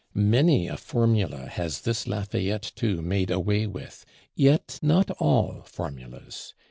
Many a "formula" has this Lafayette, too, made away with; yet not all formulas.